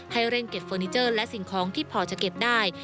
ให้เร่งเก็บเฟอร์นิเจอร์และสิ่งของที่พอจะเก็บได้